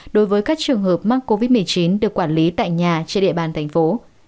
đối với các trường hợp mắc covid một mươi chín được quản lý tại nhà trên địa bàn thành phố